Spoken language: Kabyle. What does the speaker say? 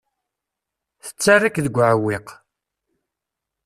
Tettarra-k deg uɛewwiq.